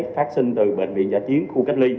phát sinh từ bệnh viện giã chiến khu cách ly